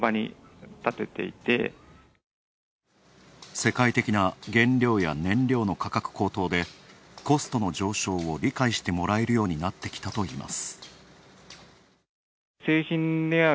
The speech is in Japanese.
世界的な原料や燃料の価格高騰でコストの上昇を理解してもらえるようになってきたといいます。